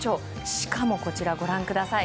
しかも、こちらをご覧ください。